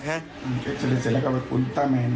เอ็กซ์อาเลเสร็จแล้วก็เป็นอุลตาแมนด้วยอุลตาแมนด้วย